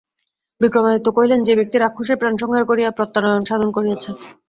বিক্রমাদিত্য কহিলেন, যে ব্যক্তি রাক্ষসের প্রাণসংহার করিয়া প্রত্যানয়ন সাধন করিয়াছে।